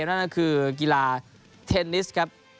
สำหรับชุดเอเชียนเกมส์กีฬาเทนนิสนะครับ